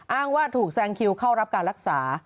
อ้างว่าถูกแซงคิวเข้ารับการรักษา